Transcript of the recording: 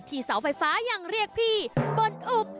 เสาไฟฟ้ายังเรียกพี่บนอุบ